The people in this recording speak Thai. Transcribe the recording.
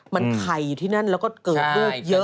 มันไข่อยู่ที่นั่นแล้วก็เกิดลูกเยอะ